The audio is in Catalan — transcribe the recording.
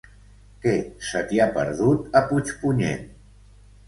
Què se t'hi ha perdut, a Puigpunyent?